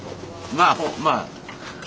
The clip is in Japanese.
まあまあ。